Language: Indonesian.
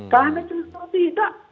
kami terus terus tidak